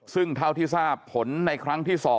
ซึ่งเท่าที่ทราบผลในครั้งที่๒